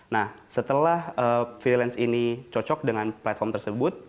nah setelah freelance ini cocok dengan platform tersebut